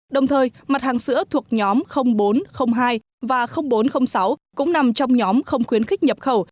đồng thời mặt hàng sữa thuộc nhóm bốn trăm linh hai và bốn trăm linh sáu cũng nằm trong nhóm không khuyến khích nhập khẩu